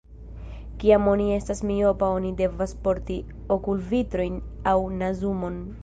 Kiam oni estas miopa oni devas porti okulvitrojn aŭ nazumon.